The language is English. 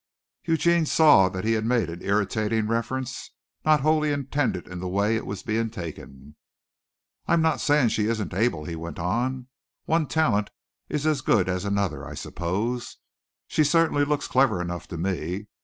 Eugene saw that he had made an irritating reference, not wholly intended in the way it was being taken. "I'm not saying she isn't able," he went on. "One talent is as good as another, I suppose. She certainly looks clever enough to me.